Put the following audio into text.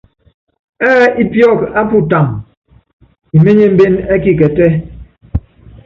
Ɛ́ɛ ípíɔk á putámb, iményémbén ɛ́ kikɛtɛ́.